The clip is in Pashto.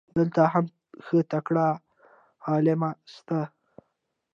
دلته هم ښه تکړه علما سته.